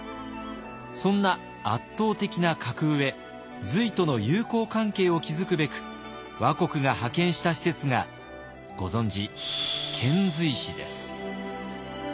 そんな圧倒的な格上隋との友好関係を築くべく倭国が派遣した使節がご存じ遣隋使です。